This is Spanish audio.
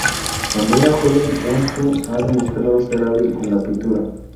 Cuando era joven, Don Ho ha demostrado ser hábil en la pintura.